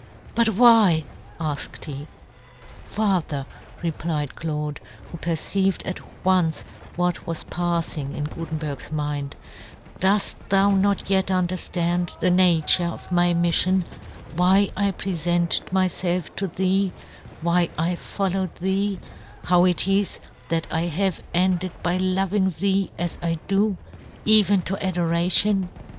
" But why " afked he. " Fa " ther," replied Claude, who per yohn Gutenberg. 1 1 7 ceived at once what was pafling in Gutenberg's mind, " doft thou not yet underftand the nature of my miflion, why I prefented myfelf to thee, why I followed thee, how it is that I have ended by loving thee as I do, even to adoration?